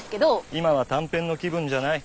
今は短編の気分じゃない。